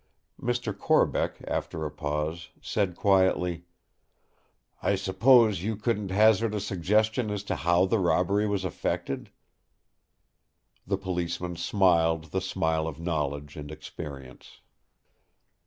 Mr. Corbeck, after a pause, said quietly: "I suppose you couldn't hazard a suggestion as to how the robbery was effected?" The Policeman smiled the smile of knowledge and experience.